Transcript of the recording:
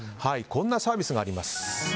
こんなサービスがあります。